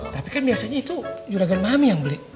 tapi kan biasanya itu juragan mahami yang beli